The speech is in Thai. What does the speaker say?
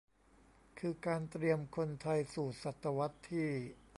คือการเตรียมคนไทยสู่ศตวรรษที่